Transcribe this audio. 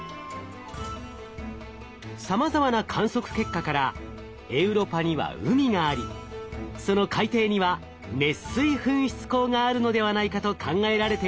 さまざまな観測結果からエウロパには海がありその海底には熱水噴出孔があるのではないかと考えられています。